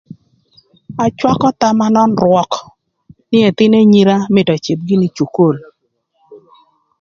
Acwakö thama nön rwök nï ëthïn anyira mïtö öcïdh gïnï ï cukul.